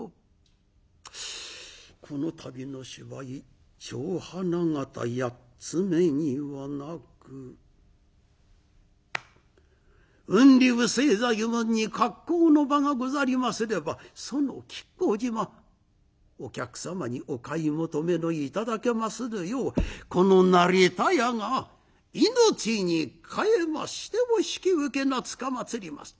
この度の芝居『蝶花形八ツ目』にはなく『雲流清左衛門』に格好の場がござりますればその亀甲縞お客様にお買い求めの頂けまするようこの成田屋が命に代えましても引き受けつかまつります」。